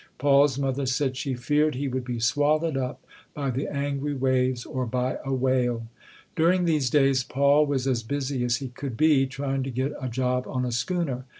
Paul's mother said she feared he would be swallowed up by the angry waves or by a whale. During these days, Paul was as busy as he could be trying to get a job on a schooner.